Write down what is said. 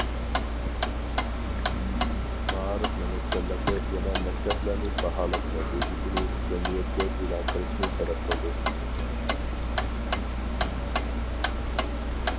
مائارىپ مىنىستىرلىقى يەنە مەكتەپلەرنى باھالاش نەتىجىسىنى جەمئىيەتكە ئېلان قىلىشنى تەلەپ قىلدى.